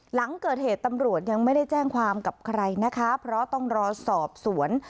หลังเกิดเหตุตำรวจยังไม่ได้แจ้งความกับใครนะคะเพราะต้องรอสอบสวน